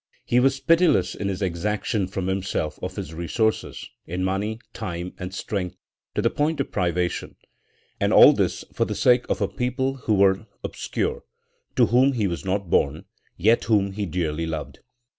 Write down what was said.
He was pitiless in his exaction from himself of his resources, in money, time, and strength, to the point of privation; and all this for the sake of a people who were obscure, to whom he was not born, yet whom he dearly loved.